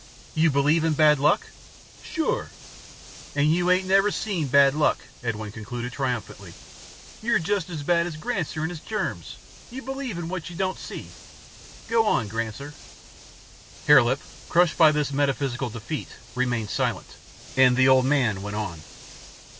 "You believe in bad luck?" "Sure." "An' you ain't never seen bad luck," Edwin concluded triumphantly. "You're just as bad as Granser and his germs. You believe in what you don't see. Go on, Granser." Hare Lip, crushed by this metaphysical defeat, remained silent, and the old man went on.